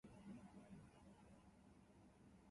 昨日遊んだ